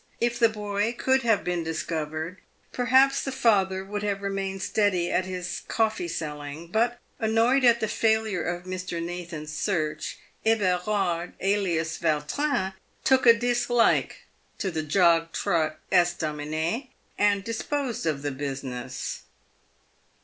If the boy could have been discovered, perhaps the father would have remained steady at his coffee selling, but, annoyed at the failure of Mr. Na than's search, Everard, alias Vautrin, took a dislike to the jog trot estaminet, and disposed of the business.